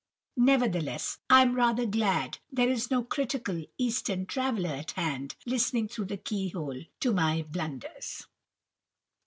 Nevertheless, I am rather glad there is no critical Eastern traveller at hand, listening through the key hole to my blunders.